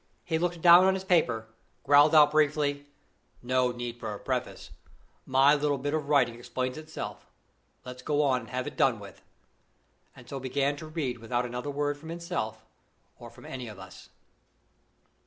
He looked down on his paper; growled out briefly, "No need for a preface; my little bit of writing explains itself; let's go on and have done with it," and so began to read without another word from himself or from any of us.